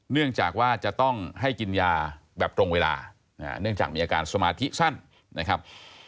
เนื่องจากว่าจะต้องให้กินยาแบบตรงเวลาเนื่องจากมีอาการสมาธิสั้นนะครับ